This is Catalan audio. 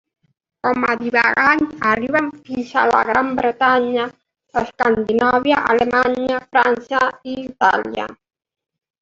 Com a divagants arriben fins a la Gran Bretanya, Escandinàvia, Alemanya, França i Itàlia.